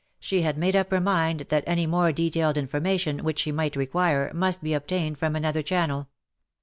She had made up her mind that any more detailed in formation, which she might require, must be obtained from another channel.